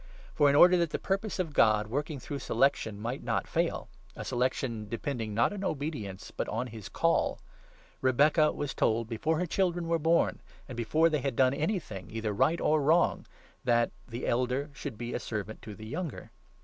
For in order 1 1 that the purpose of God, working through selection, might not fail — a selection depending, not on obedience, but on his Call — Rebecca was told, before her children were born and before 12 they had done anything either right or wrong, that ' the elder would be a servant to the younger.'